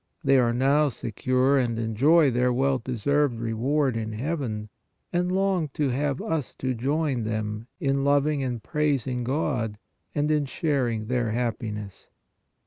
They are now secure and enjoy their well deserved reward in heaven and long to have us to join them in loving and praising God and in shar ing their happiness.